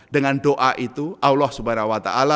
dengan doa itu allah swt